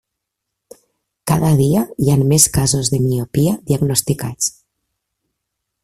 Cada dia hi han més casos de miopia diagnosticats.